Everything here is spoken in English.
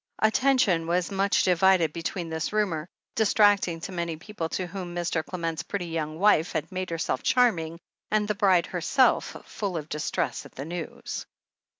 Attention was much divided between this rumour, distracting to many people to whom Mr. Clement's pretty young wife had made herself charming, and the bride herself, full of distress at the news.